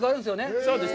そうですね。